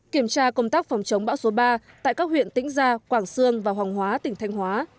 kiểm tra công tác phòng chống bão số ba tại các huyện tĩnh gia quảng sương và hoàng hóa tỉnh thanh hóa